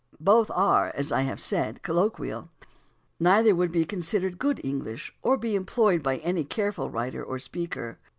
Both are, as I have said, colloquial; neither would be considered good English or be employed by any careful writer or speaker.